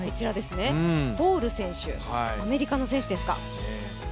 ホール選手、アメリカの選手ですか。